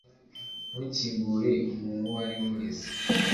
Ntukingure umuntu uwo ari we wese